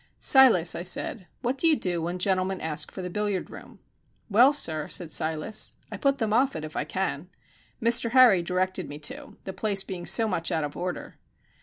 "Silas," I said, "what do you do when gentlemen ask for the billiard room?" "Well, sir," said Silas, "I put them off if I can. Mr Harry directed me to, the place being so much out of order."